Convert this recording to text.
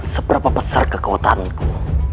seberapa besar kekuatanku